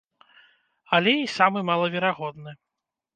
Але і самы малаверагодны.